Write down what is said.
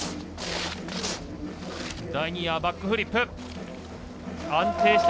バックフリップ。